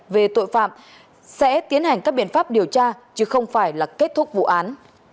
về tội phạm sẽ tiến hành các biện pháp điều tra chứ không phải là kết thúc vụ án